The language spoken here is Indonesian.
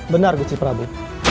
benar gusti prabu